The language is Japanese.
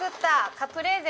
カプレーゼ。